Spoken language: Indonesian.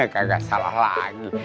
kagak salah lagi